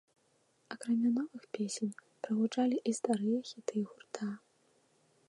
Акрамя новых песень прагучалі і старыя хіты гурта.